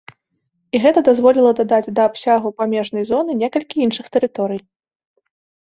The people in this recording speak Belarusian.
І гэта дазволіла дадаць да абсягу памежнай зоны некалькі іншых тэрыторый.